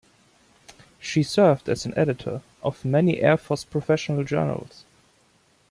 She served as editor of many Air Force professional journals.